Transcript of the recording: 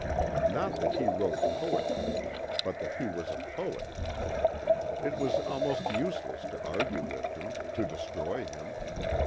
Not that he wrote poetry but that he was a poet. It was almost useless to argue with him, to destroy him.